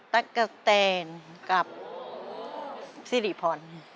ตะกะแตนกับสิริพร